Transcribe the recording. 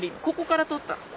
ここから撮ったの。